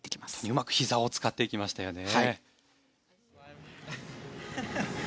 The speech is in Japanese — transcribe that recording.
うまくひざを使っていきましたよね。